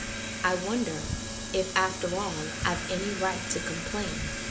I wonder if after all I've any right to complain